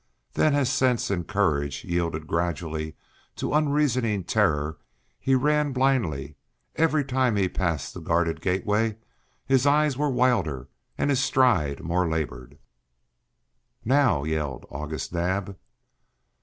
Then as sense and courage yielded gradually to unreasoning terror, he ran blindly; every time he passed the guarded gateway his eyes were wilder, and his stride more labored. "Now!" yelled August Naab.